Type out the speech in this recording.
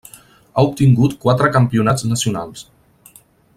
Ha obtingut quatre campionats nacionals.